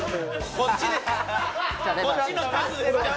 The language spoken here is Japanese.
「こっちの卓です」